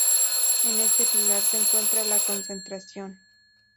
En este pilar se encuentra la concentración.